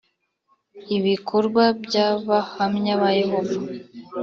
Ibikorwa by Abahamya ba Yehova